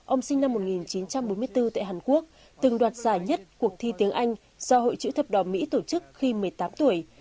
ông sinh năm một nghìn chín trăm bốn mươi bốn tại hàn quốc từng đoạt giải nhất cuộc thi tiếng anh do hội chữ thập đỏ mỹ tổ chức khi một mươi tám tuổi